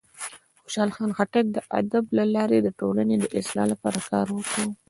خوشحال خان خټک د ادب له لارې د ټولنې د اصلاح لپاره کار وکړ.